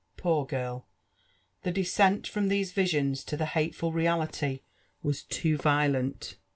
Poor girl I — the descend frpm these visions to the hateful reality was too violent.